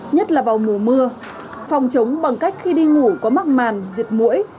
nhất là vào mùa mưa phòng chống bằng cách khi đi ngủ có mắc màn diệt mũi